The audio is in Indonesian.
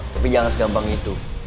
tapi jangan segampang itu